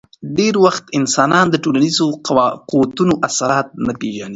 ډېری وخت انسانان د ټولنیزو قوتونو اثرات نه پېژني.